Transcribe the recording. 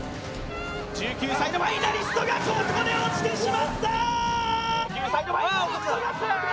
１９歳のファイナリストがここで落ちてしまった。